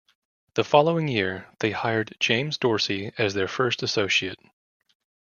The following year, they hired James Dorsey as their first associate.